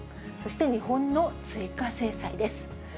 そして日本の追加制裁です。